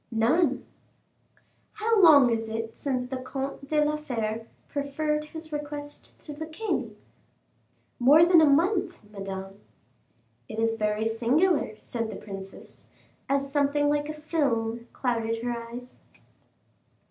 "None." "How long is it since the Comte de la Fere preferred his request to the king?" "More than a month, Madame." "It is very singular," said the princess, as something like a film clouded her eyes.